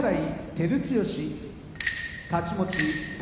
照強太刀持ち宝